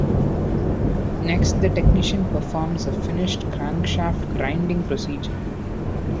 Next the technician performs a finished crankshaft grinding procedure.